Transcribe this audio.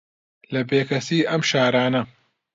لە بێکەسی ئەم شارانە